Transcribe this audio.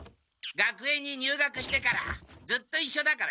学園に入学してからずっといっしょだからな。